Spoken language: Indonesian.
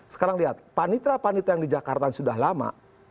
sekarang lihat panitera panitera yang di jakarta sudah lama